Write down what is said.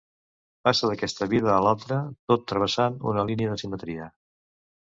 Passa d'aquesta vida a l'altra, tot travessant una línia de simetria.